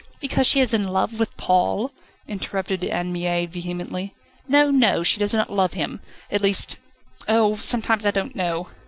"Because she is in love with Paul?" interrupted Anne Mie vehemently. "No, no; she does not love him at least Oh! sometimes I don't know.